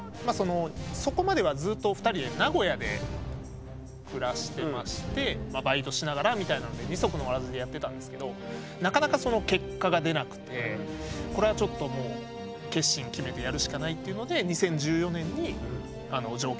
そこまではずっと２人で名古屋で暮らしてましてバイトしながらみたいなので二足のわらじでやってたんですけどなかなかその結果が出なくてこれはちょっともう決心決めてやるしかないっていうので２０１４年に上京してきまして。